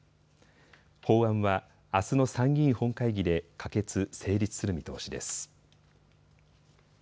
法案はあすの参議院本会議で可決・成立する見通しです。